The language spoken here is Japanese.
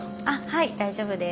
はい大丈夫です。